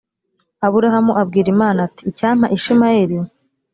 aburahamu abwira imana ati icyampa ishimayeli